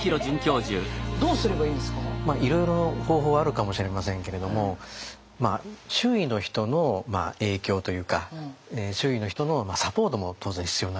いろいろ方法はあるかもしれませんけれども周囲の人の影響というか周囲の人のサポートも当然必要になりますよね。